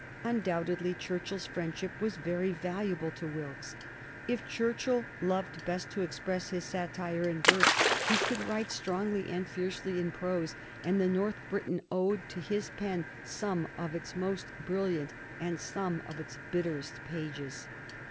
Undoubtedly Churchill's friendship was very valuable to Wilkes. If Churchill loved best to express his satire in verse, he could write strongly and fiercely in prose, and the North Briton owed to his pen some of its most brilliant and some of its bitterest pages.